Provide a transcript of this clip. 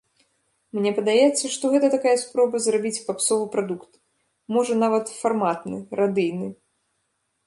Мне падаецца, што гэта такая спроба зрабіць папсовы прадукт, можа, нават, фарматны, радыйны.